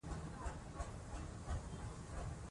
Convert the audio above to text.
ځینې شرکتونه په یوه موټر ولاړ وي.